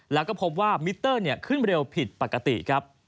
แล้วก็พบว่ามิเตอร์ขึ้นเร็วผิดปกติครับ